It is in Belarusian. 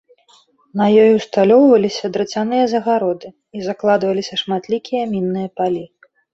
На ёй ўсталёўваліся драцяныя загароды і закладваліся шматлікія мінныя палі.